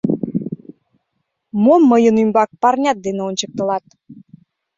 — Мом мыйын ӱмбак парнят дене ончыктылат?